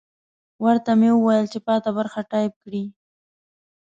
ورته مې وویل چې پاته برخه ټایپ کړي.